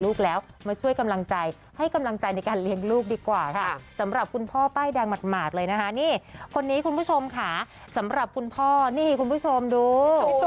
ลูกแล้วมาช่วยกำลังใจให้กำลังใจในการเลี้ยงลูกดีกว่าค่ะสำหรับคุณพ่อป้ายแดงหมาดเลยนะคะนี่คนนี้คุณผู้ชมค่ะสำหรับคุณพ่อนี่คุณผู้ชมดู